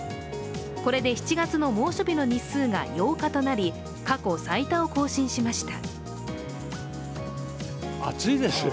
これで７月の猛暑日の日数が８日となり、過去最多を更新しました。